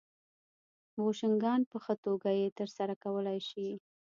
بوشونګان په ښه توګه یې ترسره کولای شي